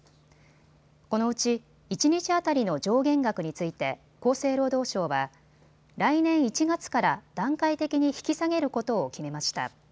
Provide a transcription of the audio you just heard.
このうち一日当たりの上限額について厚生労働省は来年１月から段階的に引き下げることを決めました。